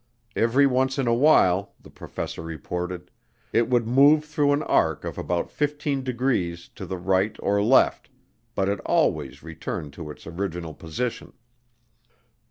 Every once in a while, the professor reported, it would move through an arc of about 15 degrees to the right or left, but it always returned to its original position.